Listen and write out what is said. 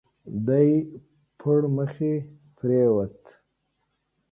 دی پړمخي پرېووت.